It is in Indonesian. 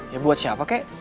ya buat siapa keh